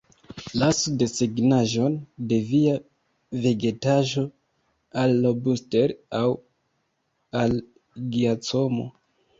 Lasu desegnaĵon de via vegetaĵo al Lobster aŭ al Giacomo.